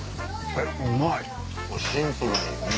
シンプルに。